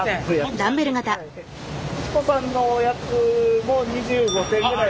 すち子さんのやつも２５点ぐらい。